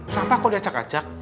sampah kok diacak ngacak